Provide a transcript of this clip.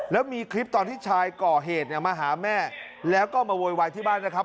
แล้วมีคลิปตอนที่ชายก่อเหตุเนี่ยมาหาแม่แล้วก็มาโวยวายที่บ้านนะครับ